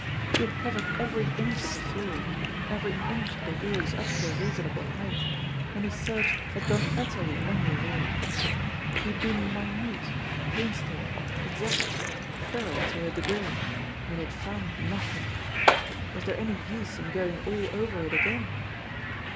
He had covered every inch of the floor, every inch of the walls up to a reasonable height, and his search had gone utterly unrewarded. He had been minute, painstaking, exact, thorough to a degree, and he had found nothing. Was there any use in going all over it again?